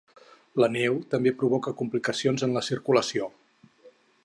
La neu també provoca complicacions en la circulació.